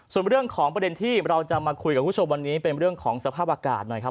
ส่วนเรื่องของประเด็นที่เราจะมาคุยกับคุณผู้ชมวันนี้เป็นเรื่องของสภาพอากาศหน่อยครับ